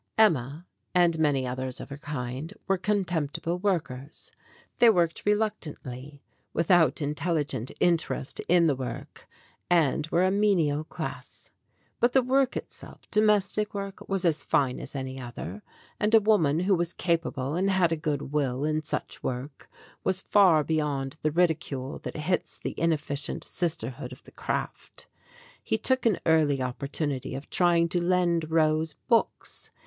Emma and many others of her kind were contemptible workers they worked reluctantly, without intelligent interest in the work, and were a menial class. But the work itself domestic work was as fine as any other, and a woman who was capable and had a good will in such work, was far beyond the ridicule that hits the inefficient sisterhood of the craft. He took an early opportunity of trying to lend Rose books.